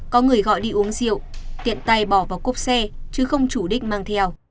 có người gọi đi uống rượu tiện tay bỏ vào cốp xe chứ không chủ đích mang theo